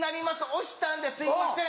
「押したんですいません